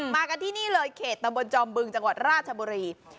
มากันที่นี่เลยเขตตำบลจอมบึงจังหวัดราชบุรี